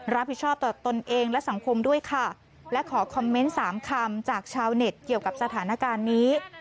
รับผิดชอบต่อตนเองและสังคมด้วยค่ะและขอคอมเมนต์สามคำจากชาวเน็ตเกี่ยวกับสถานการณ์นี้